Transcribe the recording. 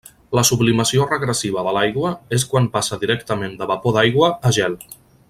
La sublimació regressiva de l'aigua és quan passa directament de vapor d'aigua a gel.